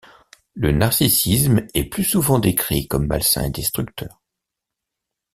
Le narcissisme est plus souvent décrit comme malsain et destructeur.